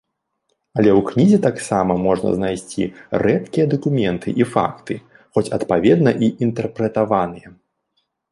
Але ў кнізе таксама можна знайсці рэдкія дакументы і факты, хоць адпаведна і інтэрпрэтаваныя.